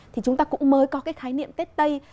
thì chúng ta cũng mới có cái khái niệm tết tây